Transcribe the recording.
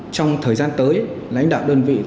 trong thời gian tới lãnh đạo đơn vị tiếp tục